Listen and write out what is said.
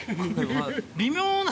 微妙な。